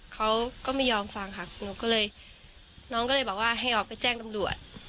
เขาก็ไม่ยอมฟังค่ะหนูก็เลยน้องก็เลยบอกว่าให้ออกไปแจ้งตำรวจ